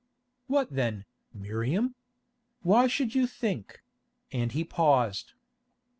"What then, Miriam? Why should you think——?" and he paused.